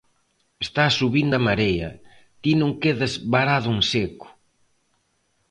Está subindo a marea, ti non quedes varado en seco!